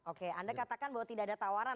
oke anda katakan bahwa tidak ada tawaran